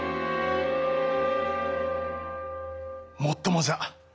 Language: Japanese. もっともじゃ。